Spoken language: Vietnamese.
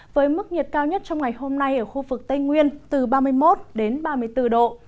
với mức nhiệt cao nhất trong ngày hôm nay ở khu vực tây nguyên từ ba mươi một đến ba mươi bốn độ